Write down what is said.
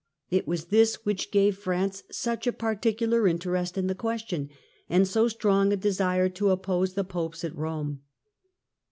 It was this which gave France such a particular interest in the question and so strong a desire to oppose the Popes at Eome.